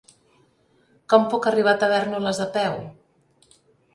Com puc arribar a Tavèrnoles a peu?